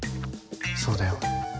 そうだよ。